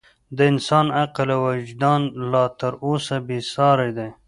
د انسان عقل او وجدان لا تر اوسه بې ساري دی.